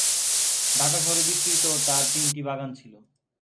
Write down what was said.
ঢাকা শহরে বিস্তৃত তার তিনটি বাগান ছিল।